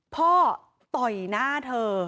พ่อต่อยหน้าเธอ